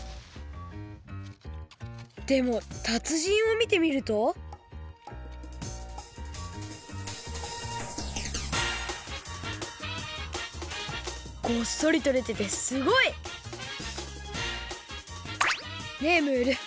でもたつじんを見てみるとごっそりとれててすごい！ねえムール！